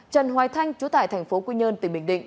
trần hoài thanh chú tại thành phố quy nhơn tỉnh bình định